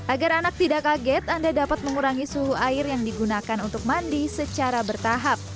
agar anak tidak kaget anda dapat mengurangi suhu air yang digunakan untuk mandi secara bertahap